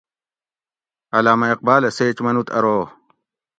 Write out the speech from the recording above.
علامہ اقبالہ سیچ منوت ارو